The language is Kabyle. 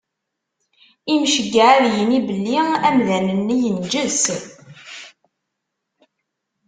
Imceyyeɛ ad yini belli amdan-nni yenǧes.